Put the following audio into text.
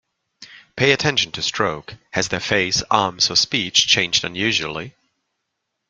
Pay attention to stroke... has their Face, Arms or Speech changed unusually?